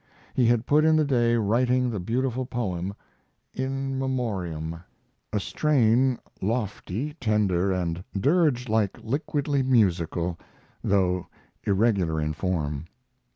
He had put in the day writing the beautiful poem, "In Memoriam," a strain lofty, tender, and dirge like liquidly musical, though irregular in form.